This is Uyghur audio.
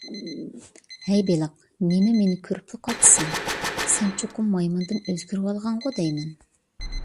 ھەي بېلىق، نېمە مېنى كۆرۈپلا قاچىسەن؟ سەن چوقۇم مايمۇندىن ئۆزگىرىۋالغانغۇ دەيمەن؟